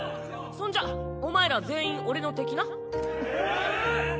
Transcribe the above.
そんじゃお前ら全員俺の敵ええ！